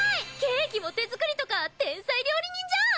ケーキも手作りとか天才料理人じゃん！